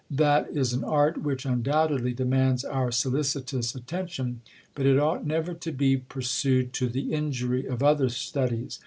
That is an art which undoubtedly demands our solicitous attention ; but it ought never to be pur sued to the injury of other studies.